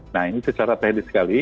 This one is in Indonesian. nah ini secara teknis sekali